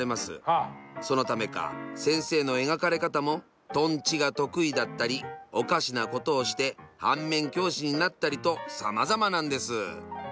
そのためか先生の描かれ方もトンチが得意だったりおかしなことをして反面教師になったりとさまざまなんです。